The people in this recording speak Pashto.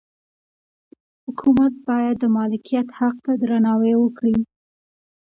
حکومت باید د مالکیت حق ته درناوی وکړي.